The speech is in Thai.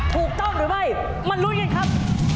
ถูกต้องหรือไม่มาลุ้นกันครับ